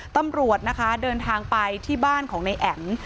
ตำรวจนะคะเดินทางไปที่บ้านของนายแอ๋ม